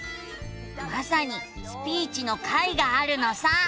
まさに「スピーチ」の回があるのさ。